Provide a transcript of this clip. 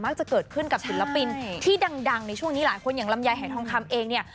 จะเกิดขึ้นกับศิลปินที่ดังในช่วงนี้หลายคนอย่างลำไยหายทองคำเองเนี่ย